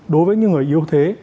đối với những người yếu thế